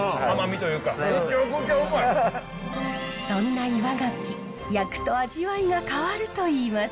そんな岩ガキ焼くと味わいが変わるといいます。